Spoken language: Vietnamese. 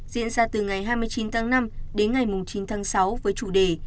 diễn ra từ ngày hai mươi chín tháng năm đến ngày chín tháng sáu với chủ đề